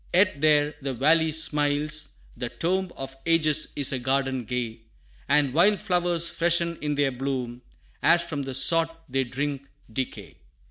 Yet there the valley smiles; the tomb Of ages is a garden gay, And wild flowers freshen in their bloom, As from the sod they drink decay.